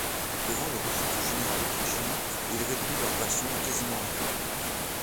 Devant le refus du général autrichien, il réduit leurs rations à quasiment rien.